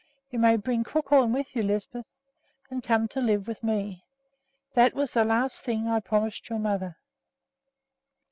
You may bring Crookhorn with you, Lisbeth, and come to live with me. That was the last thing I promised your mother."